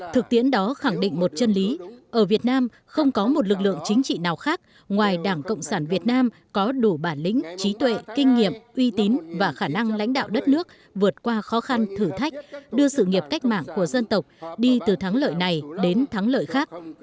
thực tiễn đó khẳng định một chân lý ở việt nam không có một lực lượng chính trị nào khác ngoài đảng cộng sản việt nam có đủ bản lĩnh trí tuệ kinh nghiệm uy tín và khả năng lãnh đạo đất nước vượt qua khó khăn thử thách đưa sự nghiệp cách mạng của dân tộc đi từ thắng lợi này đến thắng lợi khác